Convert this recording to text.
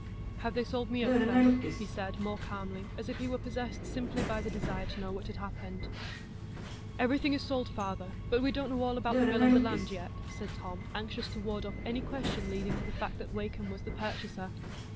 "Have they sold me up, then?" he said more calmly, as if he were possessed simply by the desire to know what had happened. "Everything is sold, father; but we don't know all about the mill and the land yet," said Tom, anxious to ward off any question leading to the fact that Wakem was the purchaser.